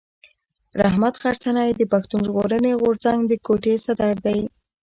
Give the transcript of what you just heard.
رحمت غرڅنی د پښتون ژغورني غورځنګ د کوټي صدر دی.